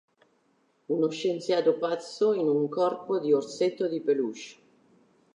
Uno scienziato pazzo in un corpo di orsetto di peluche.